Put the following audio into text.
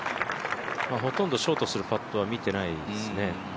ほとんどショートするパットは見てないですね。